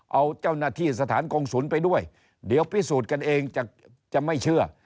เอาเจ้าหน้าที่สถานกงศูนย์ไปด้วยเดี๋ยวพิสูจน์กันเองจะไม่เชื่อ